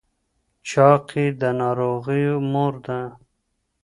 چاقي د ناروغیو مور ده.